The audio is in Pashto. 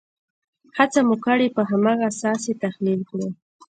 هڅه مو کړې په هماغه اساس یې تحلیل کړو.